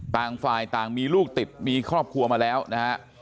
ต่างฝ่ายต่างมีลูกติดมีครอบครัวมาแล้วนะฮะ